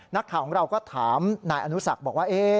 นักข่าวของเราก็ถามนายอนุสักบอกว่า